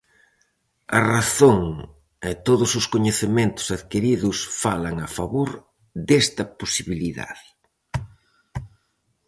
A razón e todos os coñecementos adquiridos falan a favor desta posibilidade.